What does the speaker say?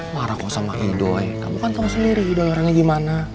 marah kok sama hidoy kamu kan tahu sendiri hidoy orangnya gimana